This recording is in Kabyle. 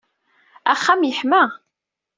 Axxam yeḥma.